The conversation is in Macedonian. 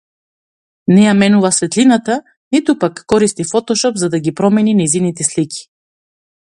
Не ја менува светлината, ниту пак користи фотошоп за да ги промени нејзините слики.